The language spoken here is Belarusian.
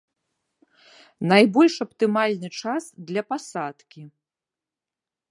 Найбольш аптымальны час для пасадкі.